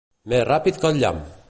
Més ràpid que el llamp!